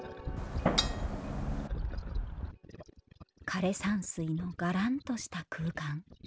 枯山水のがらんとした空間。